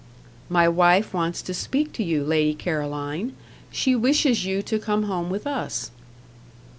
"My wife wants to speak to you, Lady Caroline. She wishes you to come home with us."